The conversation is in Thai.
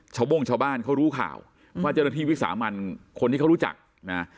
โบ้งชาวบ้านเขารู้ข่าวว่าเจ้าหน้าที่วิสามันคนที่เขารู้จักนะ